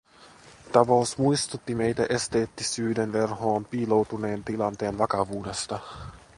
Tapaus muistutti meitä esteettisyyden verhoon piiloutuneen tilanteen vakavuudesta.